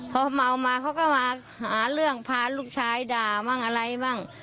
พอเมามาเขาก็มาหาเรื่องพาลูกชายด่าบ้างอะไรบ้าง